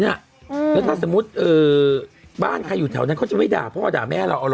เนี่ยอืมแล้วถ้าสมมติเออบ้านใครอยู่แถวนั้นเขาจะไม่ด่าพ่อด่าแม่เรานะ